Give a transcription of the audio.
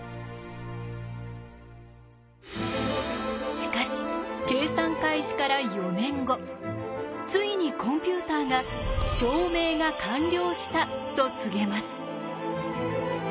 しかし計算開始から４年後ついにコンピューターが証明が完了したと告げます。